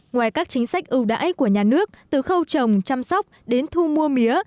ngoài các chính sách ưu đãi của nhà nước từ khâu trồng chăm sóc đến thu mua mía